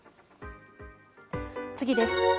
次です。